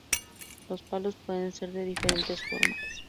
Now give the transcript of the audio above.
Los palos pueden ser de diferentes formas.